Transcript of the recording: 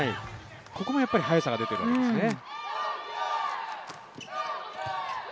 ここもやはり速さが出てるわけですね。